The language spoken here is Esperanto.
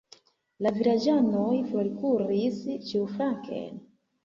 La vilaĝanoj forkuris ĉiuflanken.